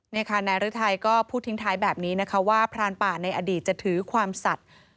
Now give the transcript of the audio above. นี่ค่ะนายฤทัยก็พูดทิ้งท้ายแบบนี้นะคะว่าพรานป่าในอดีตจะถือความสัตว์